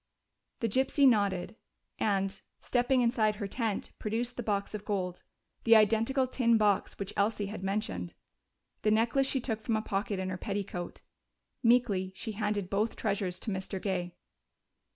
The gypsy nodded and, stepping inside her tent, produced the box of gold. The identical tin box which Elsie had mentioned. The necklace she took from a pocket in her petticoat. Meekly she handed both treasures to Mr. Gay.